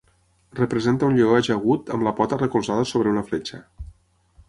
Representa un lleó ajagut, amb la pota recolzada sobre una fletxa.